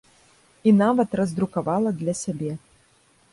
І нават раздрукавала для сябе.